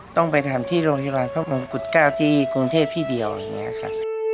ต้องไปทำที่โรงพยาบาลพระมงกุฎ๙ที่กรุงเทพที่เดียวอย่างนี้ค่ะ